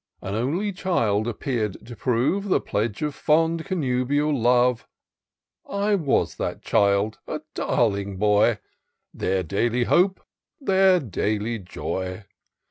" An only child appeared, to prove The pledge of fond, connubial love. I was that child — a darling boy ; Their daily hope, their daily joy.